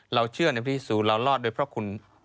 เราเชื่อในพิสูจน์เรารอดโดยเพราะคุณ